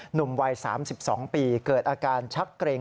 หนุ่มวัย๓๒ปีเกิดอาการชักเกร็ง